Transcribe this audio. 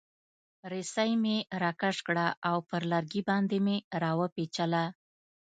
رسۍ مې راکش کړه او پر لرګي باندې مې را وپیچله.